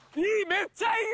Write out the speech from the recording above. めっちゃいい！